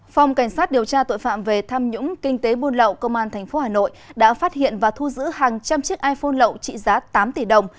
phòng cảnh sát điều tra tội phạm về tham nhũng kinh tế buôn lậu công an tp hà nội đã phát hiện và thu giữ hàng trăm chiếc iphone lậu trị giá tám tỷ đồng